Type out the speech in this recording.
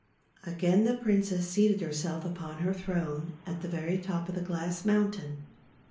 Again the princess seated her self upon her throne at the very top of the glass mountain.